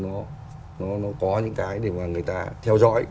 càng hơn để cho thị trường nó có những cái để mà người ta theo dõi